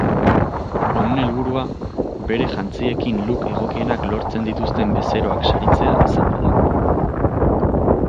Honen helburua, bere jantziekin look egokienak lortzen dituzten bezeroak saritzea izango da.